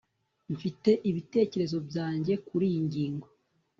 Mfite ibitekerezo byanjye kuriyi ngingo